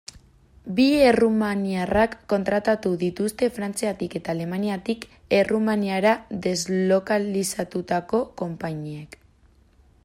Bi errumaniarrak kontratatu dituzte Frantziatik eta Alemaniatik Errumaniara deslokalizatutako konpainiek.